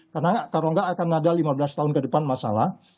karena kalau nggak akan ada lima belas tahun ke depan masalah